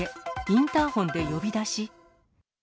インターホンで呼び出し？